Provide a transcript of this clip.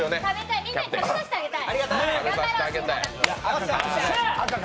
みんなに食べさせてあげたい。